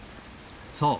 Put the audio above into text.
そう。